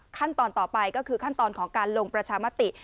ขั้นตอนต่อไปก็คือขั้นตอนของการลงประชามติ